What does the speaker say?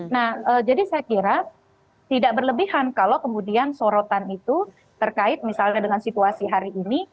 nah jadi saya kira tidak berlebihan kalau kemudian sorotan itu terkait misalnya dengan situasi hari ini